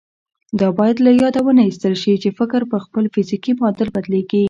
دا بايد له ياده ونه ايستل شي چې فکر پر خپل فزيکي معادل بدلېږي.